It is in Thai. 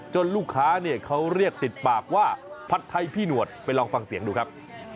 ลูกค้าเนี่ยเขาเรียกติดปากว่าผัดไทยพี่หนวดไปลองฟังเสียงดูครับ